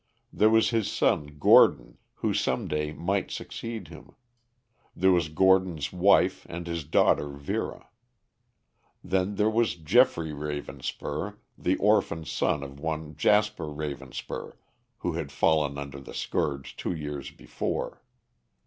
There was his son Gordon who some day might succeed him; there was Gordon's wife and his daughter Vera. Then there was Geoffrey Ravenspur, the orphan son of one Jasper Ravenspur, who had fallen under the scourge two years before.